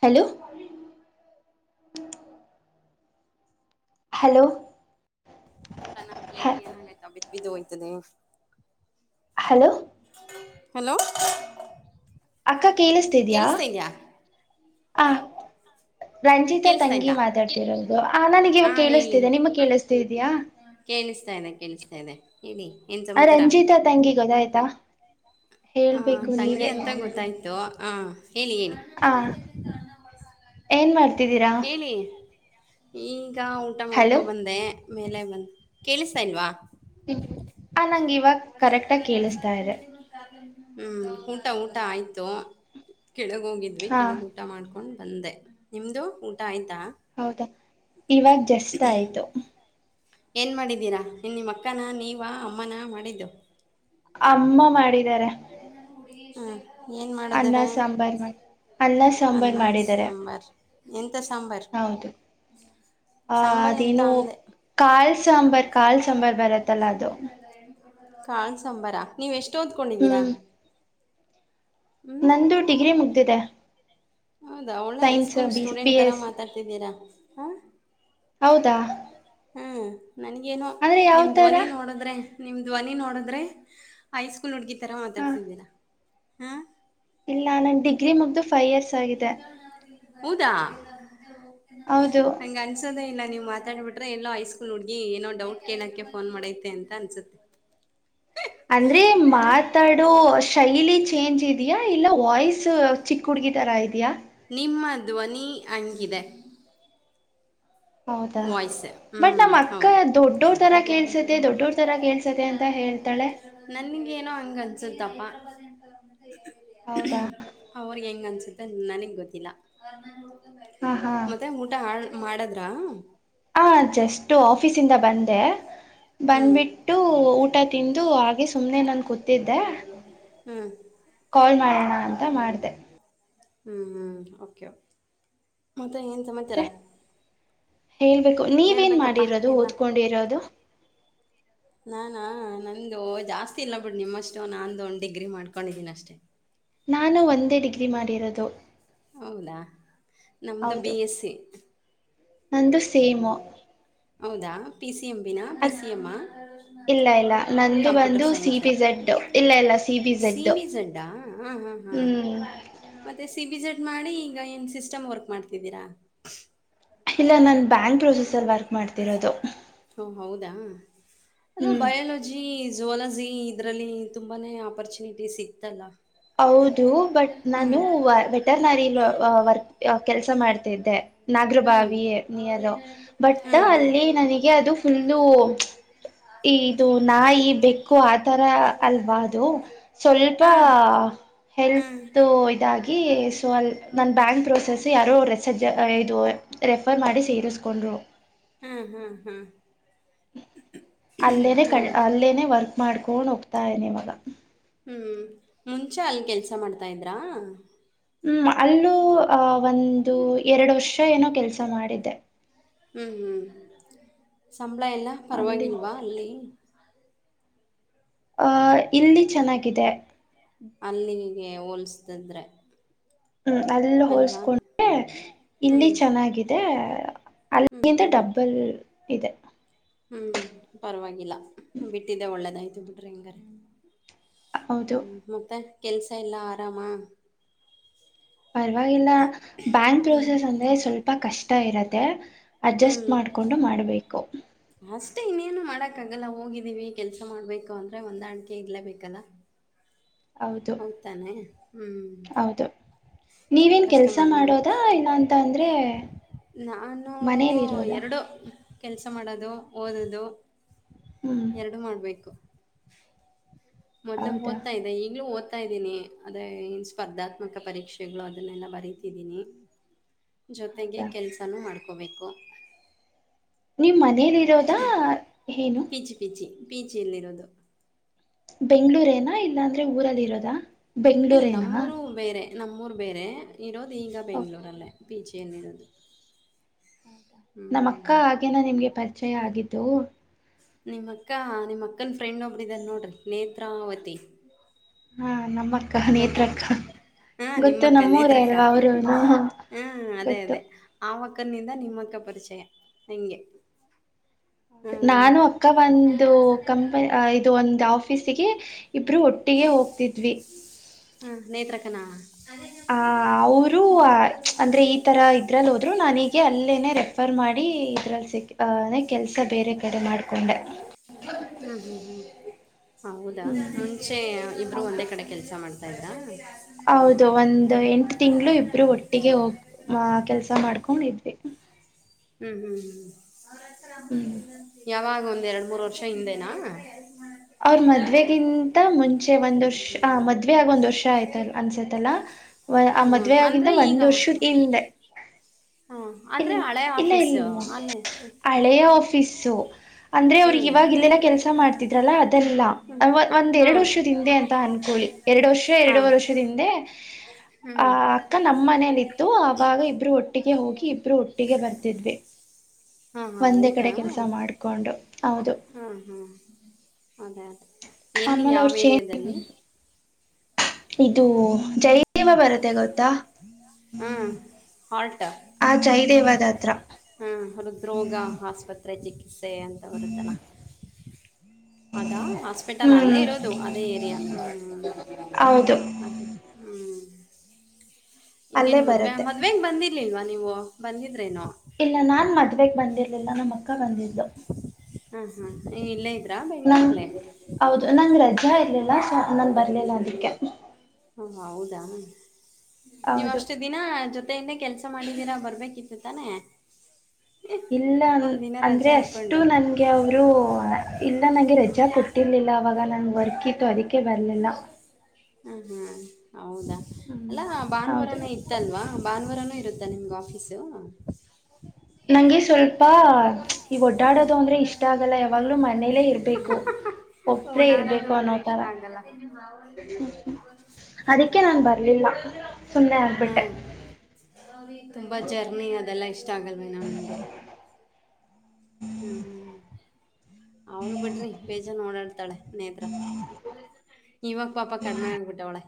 Hello hello ನನ್ನ್ ಹ plate ಏನಾಗೈತ ಬಿದ್ ಬಿದ್ದು ಹೋಯ್ತದೆ ಹಲೋ ಹಲೋ ಅಕ್ಕ ಕೇಳಿಸತಿದ್ಯಾ ಕೇಳಿಸ್ತಾ ಇದ್ಯಾ ಹ ರಂಜಿತಾ ಕೇಳಿಸ್ತಾ ತಂಗಿ ಇದ್ಯಾ ಮಾತಾಡ್ತಿರೋದು ಆ ನನಗ ಹಾ ಇವಾಗ ಹೇಳಿ ಕೇಳಿಸ್ತಿದೆ ನಿಮ್ಗ್ ಕೇಳಿಸ್ತ ಇದಯಾ ಕೇಳಿಸ್ತಾ ಇನೆ ಕೇಳಿಸ್ತಾ ಇನೆ ಹೇಳಿ ಏನ್ ಆ ಸಮಾಚಾರ ರಂಜಿತಾ ತಂಗಿ ಗೊದ ಆಾಯ್ತಾ ಆ ಹೇಳ್ಬೇಕು ತಂಗಿ ನೀವೇ ಅಂತ ಗೊತ್ತಾಯ್ತು ಹಾ ಹೇಳಿ ಹೇಳಿ ಆ ಏನ್ ಮಾಡ್ತಿ ಹೇಳಿ ಈಗ ಊಟ ಹಲೋ ಮಾಡ್ಕೊಬಂದೆ ಮೇಲೆ ಬಂದು ಕೇಳಿಸ್ತಾ ಇಲ್ವಾ ಆ ನಂಗ ಇವಾಗ ಕರೆಕ್ಟ್ಗ ಕೇಳಿಸತಾ ಇದೆ ಹ್ಮ್ ಊಟ ಊಟ ಆಯ್ತು ಕೆಳಗ ಹೋಗಿದ್ವಿ ಹಾ ಕೆಳಗ ಊಟ ಮಾಡ್ಕೊಂಡ್ ತಂದೆ ನಿಮ್ದು ಊಟ ಆಯ್ತು ಹೌದಾ ಇವಾಗ ಜಸ್ತ್ ಆಯ್ತು ಏನ್ ಮಾಡಿದ್ದೀರಾ ನಿ ನಿಮ್ಮ ಅಕ್ಕನ ನೀವ ಅಮ್ಮನ ಮಾಡಿದ್ದು ಅಮ್ಮ ಮಾಡಿದಿದ್ದಾರೆ ಹಾ ಏನ್ ಅನ್ನ ಮಾಡದ್ರ ಸಾಂಬಾರ್ ಮಾಡಿ ಅನ್ನ ಸಾಂಬಾರ್ ಅನ್ನ ಮಾಡಿದ್ದಾರೆ ಸಾಂಬಾರ್ ಎಂತ ಸಾಂಬಾರ್ ಹೌದು ಆ ಸಾಂಬಾರ್ ಎಂತ ಅದೇನು ಅಂದೆ ಕಾಲ್ ಸಾಂಬಾರ್ ಕಾಲ್ ಸಾಂಬಾರ್ ಬರತ್ತಲ್ಲ ಅದು ಕಾಾಣ ಸಾಂಬಾರ ನೀವ್ ಎಷ್ಟ ಓದ್ಕೊಂಡಿದ್ದೀರಾ ಹ್ಮ್ ಹ್ಮ್ ನಂದು ಡಿಗ್ರಿ ಮುಗ್ದಿದೆ ಹೌದಾ ಒಳ್ಳೆ science high school B student B ತರ ಎಸ್ ಮಾತಾಡ್ತಿದ್ದೀರಾ ಹಾ ಹೌದಾ ಹ್ಮ ನನ್ಗೇನುೋ ಅಂದ್ರೆ ಯಾವ ನಿಮ್ ತರ ಧ್ವನಿ ನೋಡದ್ರೆ ನಿಮ್ಮ ಧ್ವನಿ ನೋಡಿದ್ರೆ ಹೈಸ್ಕೂಲ್ ಹುಡುಗಿ ಥರ ಹಾ ಮಾತಾಡ್ತಿದ್ದೀರಾ ಹಾಂ ಇಲ್ಲ ನನ್ ಡಿಗ್ರಿ ಮುಗ್ದು ಫೈವ್ ಇಯರ್ಸ್. ಆಗಿದೆ ಹೌದಾ ಹೌದು ಹಂಗ ಅನ್ಸೋದೇ ಇಲ್ಲ ನೀವು ಮತ್ತ. ಮಾತಾಬಿಟ್ರೆ ಎಲ್ಲೋ ಹಐಸ್ಕೂಲ್ ಹುಡ್ಗಿ ಏನೋ ಡೌಟ್ ಕೇಳಕ್ಕೆ ಫೋನ್ ಮಾಡೈತೆ ಅಂತ ಅನ್ಸುತ್ತೆ. ಅಂದ್ರೆ ಹ ಮಾತಾಡೋ ಶೈಲಿ. ಚೇಂಜ್ ಇದೆಯಾ ಇಲ್ಲ ವಾಯ್ಸು ಚಿಕ್ಕ ಹುಡುಗಿ ಥರ ಇದೆಯಾ. ನಿಮ್ಮ ಧ್ವನಿ ಹಂಗಿದೆ. ಹೌದಾ ವಾಯ್ಸ್ ಬಟ್ ಹ್ಮ್ ನಮ್ಮ್ ಅಕ್ಕ ಹೌದು ದೊಡ್ಡೋರ್ ತರ ಕೇಳ್ಸತ್ತ ದೊಡ್ಡೋರ್. ತರ ಕೇಳ್ಸತ್ತೆ ಅಂತ ಹೇಳ್ತಾಳೆ ನನ್ಗೇನೋ ಹಂಗ ಅನ್ಸುತ್ತಪ್ಪಾ. ಹೌದಾ ಅವ್ರಿಗೆ ಹೆಂಗ ಅನ್ಸುತ್ತೆ ನನಗ್ ಗೊತ್ತಿಲ್ಲ. ಹಾ ಹಾ ಮತ್ತೆ ಊಟ ಆ ಮಾಡದ್ರ. ಹ ಜಸ್ಟ್ ಆಫೀಸ ಇಂದ ಬಂದೆ ಬಂದ್ಬಿಟ್ಟು ಊಟ. ತಿಂದು ಹಾಗೆ ಸುಮ್ನೆ ನನ್ ಕೂತಿದ್ದೆ. ಹ್ಮ್ ಕಾಲ್ ಮಾಡೋಣ ಅಂತ ಮಾಡಿದೆ. ಹ್ಮ್ ಹ್ಮ್ ಓಕೆ ಮತ್ತೆ ಏನ್ ಸಮಾಚಾರ. ಮತ್ತೆ ಹೇಳ್ಬೇಕು ನೀವೇನ್ ಹೇಳ್ಬೇಕಪ್ಪಾ ಮಾಡಿರೋದು ಎಲ್ಲ ಓದ್ಕೊಂಡಿರೋದು. ನಾನಾ ನಂದು ಜಾಸ್ತಿ ಇಲ್ಲ ಬಿಡ್ ನಿಮ್ಮಷ್ಟು ನಾಂದು ಒ ಡಿಗ್ರಿ ಮಾಡ್ಕೊಂಡಿದೀನ ಅಷ್ಟೇ. ನಾನು ಒಂದೇ ಡಿಗ್ರಿ ಮಾಡಿರೋದು. ಹೌದಾ ನಮ್ದು ಹೌದು ಬಿ ಎಸ್ಸ ನಂದು ಸೇಮು. ಹೌದಾ ಪಿ ಸಿ ಎಮ ಬಿಿನಾ ಪಿ ಅದ್ ಸಿ ಎಮ. ಇಲ್ಲ ಇಲ್ಲ ನಂದು ಕಂಪ್ಯೂಟರ್ ಬಂದು ಸಿ ಸೈನ್ಸ್ ಬಿ ಝಡ್ ಇಲ್ಲ ಇಲ್ಲ ಸಿ ಬಿ ಝಡ್ ಸಿಬಿಜಡ್ಡ. ಹಾ ಹಾ ಹ್ಮ್ ಮತ್ತೆ ಸಿ ಬಿ ಜಡ್ ಮಾಡಿ ಈಗ ಏನ್ ಸಿಸ್ಟಮ್ ವರ್ಕ್ ಮಾಡ್ತಿದ್ದೀರಾ. ಇಲ್ಲ ನನ್ ಬ್ಯಾಂಕ್ ಪ್ರೊಸೆಸರ್ ವರ್ಕ್ ಮಾಡ್ತಿರೋದು. ಹಓ ಹೌದಾ ಅ ಹ್ಮ್ ಬಯಾಲಜಿ ಜೋಲಾ. ಇದ್ರಲ್ಲಿ ತುಂಬಾನೇ ಆಪರ್ಚುನಿಟೀ ಇತ್ತಲ್ಲ. ಹೌದು ಬಟ್ ನಾನು ವೆಟರ್ನರಿ ವರ್ಕ್ ಕೆಲಸ ಮಾಡ್ತಿದ್ದೆ. ನಾಗರಬ ಹ್ಮ್ ಅದೇ ನಿಯರ್ ಬಟ್ ಹ್ಮ್ ಹ್ಮ್ ಹಾ ಅಲ್ಲಿ ನನಗೆ ಅದು ಫುಲ್ಲು. ಈ ಇದು ನಾಯಿ ಬೆಕ್ಕು ಆತರ ಅಲ್ವಾ ಅದು ಸ್ವಲ್ಪ. ಹ್ಮ್ ಇದಾಗಿ ಸೊ ಅ ನ ಬ್ಯಾಂಕ್ ಪ್ರೋಸೆಸ್ ಯಾರೋ ರೆಜ್ ಇದು. ಆಫರ್ ಮಾಡಿ ಸೇರಿಸ್ಕೊಂಡ್ರು. ಹ್ಮ್ ಹ್ಮ್ ಹ್ಮ್ ಅಲ್ಲೇನೆ ಕ ಹೌದು ಅಲ್ಲೇನೆ ವರ್ಕ್ ಮಾಡ್ಕೊಂಡ ಹೋಗ್ತಾ ಇನೆ ಇವಾಗ. ಹ್ಞೂ ಮುಂಚೆ ಅಲ್ಲಿ ಕೆಲಸ ಮಾಡ್ತಾಯಿದ್ರಾ. ಹ್ಮ್ ಅಲ್ಲೂ ಆಹ ಒಂದು ಎರಡು ವರ್ಷ. ಷ ಏನೋ ಕೆಲಸ ಮಾಡಿದ್ದೆ. ಹ್ಮ್ ಹ್ಮ್ ಸಂಬಳ ಎಲ್ಲ ಅಲ್ಲಿ ಪರವಾಗಿಲ್ವಾ ಅಲ್ಲಿ. ಆಹ ಇಲ್ಲಿ ಚೆನ್ನಾಗಿದೆ. ಏ ಹೋಲಿಸತಂದ್ರೆ. ಹ್ಮ್ ಅಲ್ಲಿ ಹೋಲ್ಸ್ಕೊಂಡ. ಹ್ಞೂ ಇಲ್ಲಿ ಚೆನ್ನಾಗಿದೆ ಹ್ಞೂ ಅಲ್ಲಿಂದ ಡಬ್ಬಲ್ ಇದೆ. ಹ್ಞ ಪರವಾಗಿಲ್ಲ ಬಿಟ್ಟಿದ್ದೆ ಒಳ್ಳೇದಾಯ್ತು ಬಿಟ್ರಿ ಹಿಂಗರ. ಹೌದು ಮತ್ತೆ ಕೆಲಸ ಎಲ್ಲ ಆರಾಮ. ಪರವಾಗಿಲ್ಲ ಬ್ಯಾಂಕ್ ಹ್ಞೂ ಪ್ರೋಸೆಸ್ ಅಂದ್ರೆ ಸ್ವಲ್ಪ ಕಷ್ಟ ಇರತ್ತೆ. ಅಡ್ಜಸ್ಟ್ ಮಾಡ್ಕೊಂಡು ಮಾಡಬೇಕು. ಅಷ್ಟೆ ಇನ್ನೇನು ಮಾಡಕ್ಕ ಆಗಲ್ಲ ಹೋಗಿದ್ದೀವಿ ಕೆಲ್ಸ ಮಾಡ್ಬೇಕು ಅಂದ್ರೆ ಹೂಂದಾಣಿಕೆ ಇರ್ಲೇಬೇಕಲ್ಲ. ಹೌದು ಹೌತಾನೆ ಹ್ಮ್. ಹೌದು ನೀವೇನ್ ಕೆಲ್ಸ ಮಾಡೋದ ಇಲ್ಲ ಅಂತ ಅಂದ್ರೆ. ನಾನು! ಮನೇಲಿ ಇರೋದಾ ಎರಡು ಕೆಲಸ ಮಾಡೋದು ಓದೋದು ಹ್ಮ್ ಎರಡೂ ಮಾಡಬೇಕು. ಮೊದ್ಲು ಹೌದಾ ಹೂದ್ತಾ ಇದ್ದೆ ಈಗ್ಲೂ ಓದ್ತ ಹೂದುತ್ತಾ ಇದೀನಿ ಅದೇ ಸ್ಪರ್ಧಾತ್ಮಕ ಪರೀಕ್ಷೆಗಳು ಅದನ್ನೆಲ್ಲ ಬರೀತಿದ್ದೀನಿ. ಜೊತೆಗೆ ಹೌದಾ ಕೆಲಸನೂ ಮಾಡ್ಕೋಬೇಕು. ನಿವು ಮನೇಲಿ ಇರೋದಾ ಹೇನು P G P G P ಜಿಲ್ಲಿರೋದು ಬೆಂಗಳೂರೇನಾ ಇಲ್ಲಾಂದ್ರೆ ಊರಲ್ಲಿ ಇರೋದಾ ಇಲ್ಲಿ ಬೆಂಗಳೂರೇನಾ ನಮ್ಮೂರು ಬೇರೆ ನಮ್ಮೂರು ಬೇರೆ ಇರೋದು ಈಗ ಬೆಂಗಳೂರಲ್ಲೇ ಪಿಜಿಲ್ಲಿ ಇರೋದು. ನಮ್ಮ ಅಕ್ಕ ಹಾಗೇನ ನಿಮ್ಗೆ ಪರಿಚಯ ಆಗಿದ್ದು. ನಿಮ್ಮಕ್ಕ ನಿಮ್ಮ ಅಕ್ಕನ ಫ್ರೆಂಡ್ ಒಬ್ಬರು ಇದಾರೆ ನೋಡ್ರಿ ನೇತ್ರಾವತಿ ಹಾ ನಮ್ಮ ಅಕ್ಕ ನೇತ್ರ ಅಕ್ಕ ಹಾ ನಿಮ್ಮಕ್ಕ ನೇತ್ರಕ್ಕ ಹ್ಮ ಅದೇ ಗೊತ್ತು ಅದೇ ಆವಕ್ಕ [unintelligible] ಅವಕ್ಕನಿಂದ ನಿಮ್ಮಕ್ಕ ಪರಿಚಯ ಹೆಂಗೆ ನಾನು ಅಕ್ಕ ಒಂದು ಕಂಪನಿ ಇದು ಒಂದು ಆಫೀಸಿಗಿ. ಇಬ್ರು ಒಟ್ಟಿಗೆ ಹೋಗ್ತಿದ್ವಿ. ಹಾಂ ನೇತ್ರಕನಾ ಹಾ ಅವರು ಅಂದ್ರೆ ಈ ಥರ ಇದ್ರಲ್ಲಿ ಹೋದರೂ ನನೀಗೆ ಅಲ್ಲೇನೆ ರೆಫರ್ ಮಾಡಿ ಇದ್ರಲ್ಲಿ ಸಿಕ್ಕ ಕೆಲ್ಸ ಬೇರೆ ಕಡೆ ಮಾಡ್ಕೊಂಡೆ ಹ್ಮ್ ಹ್ಮ್ ಹ್ಮ್ ಹೌದಾ ಹ್ಮ್ ಮುಂಚೆ ಇಬ್ರು ಹೌದು ಒಂದೇ ಕಡೆ ಕೆಲ್ಸ ಮಾಡ್ತ ಸದಾ [unintelligible] ಹೌದು ಒಂದ್ ಎಂಟು ತಿಂಗಳು ಇಬ್ರು ಒಟ್ಟಿಗೆ ಹೋಗ್ ಕೆಲ್ಸ ಮಾಡ್ಕೊಂಡಿದ್ವಿ. ಹ್ಮ್ ಹ್ಮ್ ಹ್ಮ್ ಯಾವಾಗ್ ಒಂ ಎರಡು ಮೂರು ವರ್ಷ ಹಿಂದೆನಾ ಅವ್ರ ಮದ್ವೆಗಿಂತ ಮುಂಚೆ ಒಂದ್ ವರ್ಷ ಆ ಮದ್ವೆ ಆಗ ಒಂದ್ ವರ್ಷ ಆಯ್ತ ಅನ್ಸತ್ತ. ತಲ್ಲ ಆ ಹಾಂ ಹಾಂ ಮದ್ವೆ ಆಗಿಂದ ಅಂದರೆ ಈಗ ಒಂದ್ ವರ್ಷದ ಹಿಂದೆ [unintelligible] ಹಾಂ ಇ ಅಂದರೆ ಹಳೆ ಇಲ್ಲ ಇಲ್ಲ ಆಫೀಸು ಇಲ್ಲ ಅಲ್ಲೇ ಹಳೆಯ ಆಫೀಸು. ಅಂದ್ರೆ ಹ್ಞೂ ಅವ್ರಿಗೆ ಇವಾಗ ಇಲ್ಲೆನೆ ಕೆಲಸ ಮಾಡ್ತಿದ್ರಲ್ಲ ಅದೆಲ್ಲ ಒಂದ್ ಎರಡು ಹಾಂ ವರ್ಷದಿಂದೆ ಅಂತ ಅನ್ಕೊಳ್ಳಿ. ಎರಡು ವರ್ಷ ಹಾಂ ಎರಡುವೂರೆ ವರ್ಷದಿಂದೆ ಹ್ಞೂ ಆ ಅಕ್ಕ ನಮ್ಮ ಮನೇಲಿ ಇತ್ತು ಆವಾಗ ಇಬ್ರು ಒಟ್ಟಿಗೆ ಹೋಗಿ ಇಬ್ರು ಒಟ್ಟಿಗೆ ಬರ್ತಿದ್ವಿ. ಹಾಂ ಹಾಂ ಒಂದೇ ಕಡೆ ಕೆಲಸ ಮಾಡ್ಕೊಂಡು ಹೌದು ಹಾ ಹ್ಮ ಅದೇ ಅದೇ ಎಲ್ಲಿ ಆಮೇಲೆ ಯಾವ ಅವ್ರು ಚೇಂಜ್ ಏರಿಯಾದಲ್ಲಿ. ಇದು ಜೈವ ಬರತ್ತೆ ಗೊತ್ತಾ ಹಾಂ [unintelligible] ಹಾರ್ಟ್ ಆ ಜಯದೇವ ದತ್ರ ರೋಗ ಆಸ್ಪತ್ರೆ ಚಿಕಿತ್ಸೆ ಅಂತ ಬರುತ್ತಲ್ಲ. ಅದಾ ಹಾಸ್ಪಿಟಲ್ ಅಲ್ಲೇ ಹ್ಮ್ ಇರೋದು ಅದೇ ಏರಿಯಾ ಹ್ಮ್ ಹೌದು ಅ ಹ್ಮ್ ಅಲ್ಲೇ ಈಗೇನ್ ಮದ್ವೆ ಬರುತ್ತೆ ಮದ್ವೆಂಗ ಬಂದಿರ್ಲಿಲ್ವಾ ನೀವು ಬಂದಿದ್ರೇನೊ ಇಲ್ಲ ನಾನ್ ಮದ್ವೆಗ್ ಬಂದಿರ್ಲಿಲ್ಲ ನಮ್ಮ ಅಕ್ಕ ಬಂದಿದ್ಲು. ಹಾ ಹಾ ಇವ್ ಇಲ್ಲೇ ಇದ್ರಾ ನಂಗ ಬೆಂಗಳೂರಲ್ಲೇ ಹೌದು ನಂಗ ರಜಾ ಇರ್ಲಿಲ್ಲ ಸ ನನ್ ಬರ್ಲಿಲ್ಲ ಅದಕ್ಕೆ. ಹಾ ಹೌದಾ ನೀವ್ ಹೌದು ಅಷ್ಟು ದಿನ ಜೊತೆಯಿಂದ ಕೆಲ್ಸ ಮಾಡಿದೀರಾ ಬರ್ಬೇಕಿತ್ತು ತಾನೆ. ಇಲ್ಲ ಅ ಅಂದ್ರೆ ಅಷ್ಟು ಹಾಕ್ಕೊಂಡು ನನ್ಗೆ ಅವರು ಇಲ್ಲ ನಂಗೆ ಹ್ಞೂ ರಜಾ ಕೊಟ್ಟರ್ಲಿ ಇಲ್ಲ ಅವಾಗ ನಂಗ ವರ್ಕ್ ಇತ್ತು ಅದಕ್ಕೆೇ ಬರ್ಲಿಲ್ಲ ಹ ಹಾ ಹೌದಾ ಹ್ಮ್ ಅಲ್ಲಾ ಹೌದು ಭಾನುವಾರನ ಇತ್ತಲ್ವಾ ಭಾನುವಾರನೂ ಇರು ನಿಮಗೆ ಆಫೀಸು. ಬಾರ್ ಈ ಒಡ್ಡಾಡೋದು ಅಂದ್ರೆ ಇಷ್ಟ ಆಗಲ್ಲ ಯಾವಾಗ್ಲೂ ಮನೇಲೆೇ ಇರ್ಬೇಕು ಒಬ್ರೇ ಓಡಾಡೋದು ಇರ್ಬೇಕು ಅನ್ನೋ ಅಂದ್ರೆ ತರ ಇಷ್ಟ ಆಗಲ್ಲ ಹ್ಮ, ಅದಕ್ಕೆ ನಾನ್ ಬರ್ಲಿಲ್ಲ ಸುಮ್ಮನೆ ಆಗ್ಬಿಟ್ಟೆ. ಹ್ಮ್ ತುಂಬಾ ಜರ್ನಿ ಅದೆಲ್ಲಾ ಇಷ್ಟ ಆಗಲ್ವೇನೋ ನಿನ್ಗೆ. ಹ್ಮ್, ಅವಳ ಬಿಡ್ರಿ ಬೇಜ ಜ ನೋಡಾಡ್ತಾಳೆ ನೇತ್ರ ಇವಾಗ ಪಾಪ ಕಡಿಮೆ ಆಗ್ಬಿಟ್ಟವಳೆ.